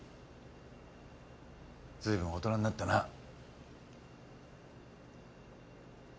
ずいぶん大人になったな。